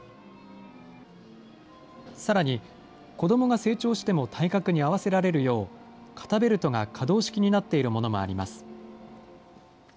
さらに、子どもが成長しても体格に合わせられるよう、肩ベルトが可動式になっているものもあります。